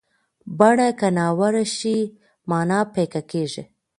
بڼه که ناوړه شي، معنا پیکه کېږي.